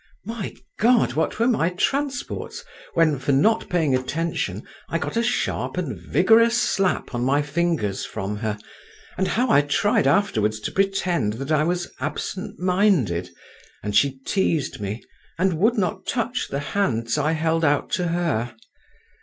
My God! what were my transports when, for not paying attention, I got a sharp and vigorous slap on my fingers from her, and how I tried afterwards to pretend that I was absent minded, and she teased me, and would not touch the hands I held out to her!